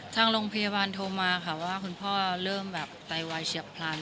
ทางโรงพยาบาลโทรมาค่ะว่าคุณพ่อเริ่มแบบไตวายเฉียบพลัน